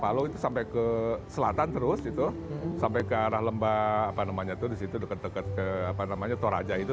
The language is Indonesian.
palu itu sampai ke selatan terus gitu sampai ke arah lembah apa namanya itu disitu dekat dekat ke apa namanya toraja itu